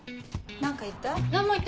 何か言った？